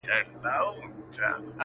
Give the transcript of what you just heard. دُرانیډک له معناوو لوی انسان دی,